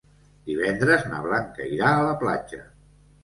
Divendres na Blanca irà a la platja.